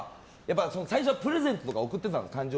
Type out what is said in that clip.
最初はプレゼントとか贈ってたんです。